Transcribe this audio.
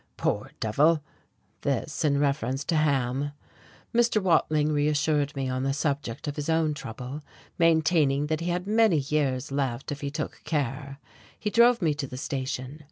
Poor devil!" This in reference to Ham.... Mr. Watling reassured me on the subject of his own trouble, maintaining that he had many years left if he took care. He drove me to the station.